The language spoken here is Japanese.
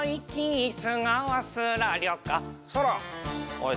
おい